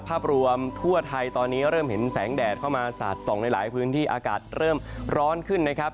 ภาพรวมทั่วไทยตอนนี้เริ่มเห็นแสงแดดเข้ามาสาดส่องในหลายพื้นที่อากาศเริ่มร้อนขึ้นนะครับ